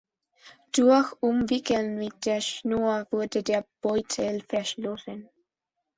Durch Umwickeln mit der Schnur wurde der Beutel verschlossen.